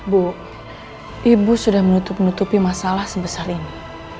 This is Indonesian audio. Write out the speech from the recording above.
bu ibu sudah menutup nutupi masalah sebesar ini